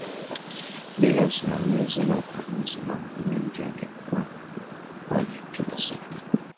bila usimamizi na ukaguzi mambo mengi yangekuaa ovyo kila sehemu